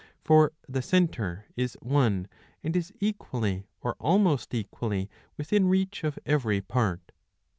For the centre is one, and is equally or almost equally within reach of every part.